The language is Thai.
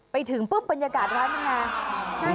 ไปถึงปุ๊บบรรยากาศร้านอย่างไร